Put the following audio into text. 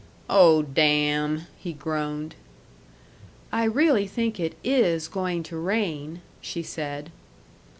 "Oh, damn!" he groaned. "I really think it is going to rain," she said.